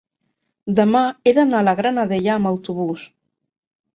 demà he d'anar a la Granadella amb autobús.